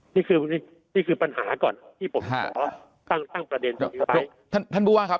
นี่คือนี่คือปัญหาก่อนที่ผมขอตั้งตั้งประเด็นตรงนี้ไว้ท่านท่านผู้ว่าครับ